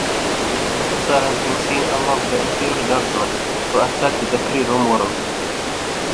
Hussar has been seen among the Imperial Guardsmen, who attacked the Kree homeworld.